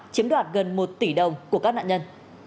chiếm đoạt gần một tỷ đồng của các nạn nhân